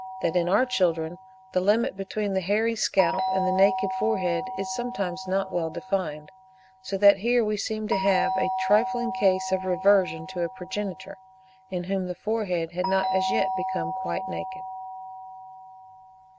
51.) that in our children the limit between the hairy scalp and the naked forehead is sometimes not well defined; so that here we seem to have a trifling case of reversion to a progenitor, in whom the forehead had not as yet become quite naked.